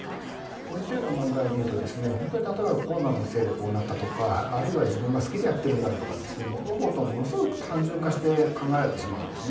こういったような問題を見ると本当に例えばコロナのせいでこうなったとかあるいは自分が好きでやっているんだとか物事をものすごく単純化して考えられてしまうんですね。